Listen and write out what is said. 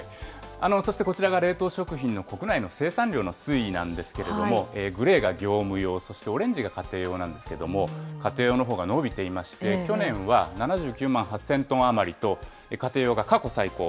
そしてこちらが冷凍食品の国内の生産量の推移なんですけれども、グレーが業務用、そしてオレンジが家庭用なんですけれども、家庭用のほうが伸びていまして、去年は７９万８０００トン余りと、家庭用が過去最高。